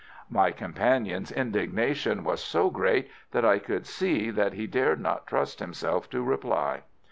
My companion's indignation was so great that I could see that he dared not trust himself to reply.